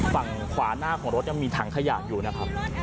ฝั่งขวาหน้าของรถยังมีถังขยะอยู่นะครับ